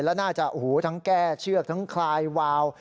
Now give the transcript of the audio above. แล้วน่าจะทั้งแก้เชือกทั้งคลายวาว